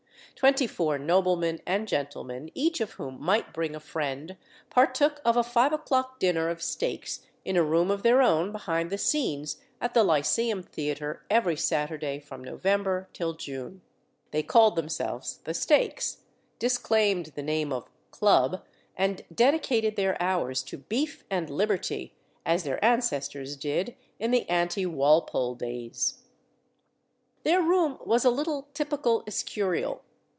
Twenty four noblemen and gentlemen, each of whom might bring a friend, partook of a five o'clock dinner of steaks in a room of their own behind the scenes at the Lyceum Theatre every Saturday from November till June. They called themselves "The Steaks," disclaimed the name of "Club," and dedicated their hours to "Beef and Liberty," as their ancestors did in the anti Walpole days. Their room was a little typical Escurial.